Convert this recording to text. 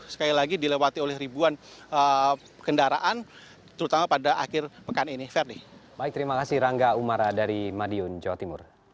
sekali lagi dilewati oleh ribuan kendaraan terutama pada akhir pekan ini